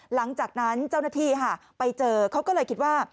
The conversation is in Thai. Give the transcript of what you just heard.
หลังจากนั้นเจ้าหน้าที่ไปเจอเขาก็เลยคิดว่า